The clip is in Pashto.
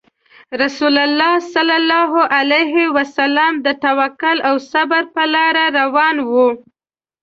رسول الله صلى الله عليه وسلم د توکل او صبر په لار روان وو.